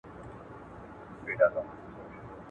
چي هر يو به سو راستون له خياطانو